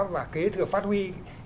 và kế thừa phát huy